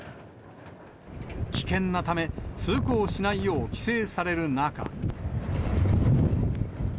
危険なため、通行しないよう規制される中。